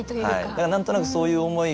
だから何となくそういう思い。